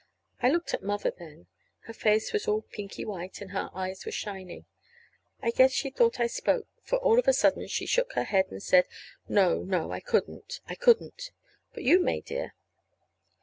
I looked at Mother then. Her face was all pinky white, and her eyes were shining. I guess she thought I spoke, for all of a sudden she shook her head and said: "No, no, I couldn't, I couldn't! But you may, dear.